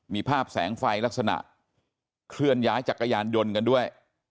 มีภาพแสงไฟลักษณะเคลื่อนย้ายจักรยานยนต์กันด้วย